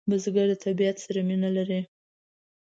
بزګر د طبیعت سره مینه لري